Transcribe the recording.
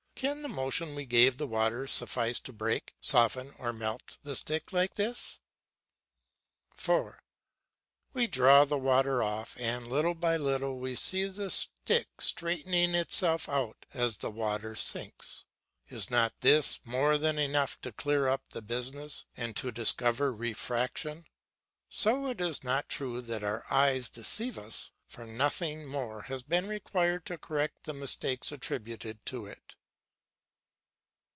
Can the motion we gave the water suffice to break, soften, or melt the stick like this? 4. We draw the water off, and little by little we see the stick straightening itself as the water sinks. Is not this more than enough to clear up the business and to discover refraction? So it is not true that our eyes deceive us, for nothing more has been required to correct the mistakes attributed to it.